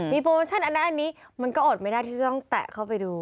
มีโปรโมชั่นอันนั้นอันนี้มันก็อดไม่ได้ที่จะต้องแตะเข้าไปดู